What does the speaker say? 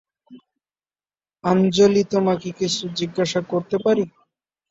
আঞ্জলি তোমাকে কিছু জিজ্ঞাসা করতে পারি?